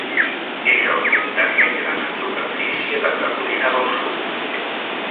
És el comtat més gran en superfície de Carolina del Sud.